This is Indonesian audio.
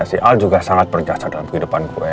si al juga sangat berjasa dalam kehidupan gue